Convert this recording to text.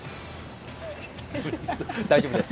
大丈夫です。